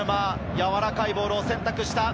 やわらかいボールを選択した。